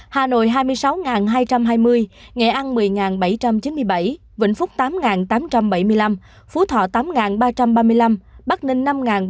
hà nội hai mươi sáu hai trăm hai mươi nghệ an một mươi bảy trăm chín mươi bảy vĩnh phúc tám tám trăm bảy mươi năm phú thọ tám ba trăm ba mươi năm bắc ninh năm bốn trăm